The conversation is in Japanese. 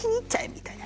みたいな。